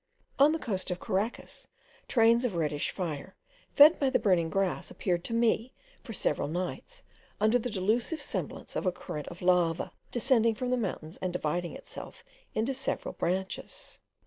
On the coast of the Caracas, trains of reddish fire, fed by the burning grass, appeared to me, for several nights, under the delusive semblance of a current of lava, descending from the mountains, and dividing itself into several branches.